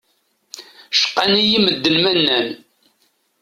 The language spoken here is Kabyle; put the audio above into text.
Cqan-iyi medden ma nnan.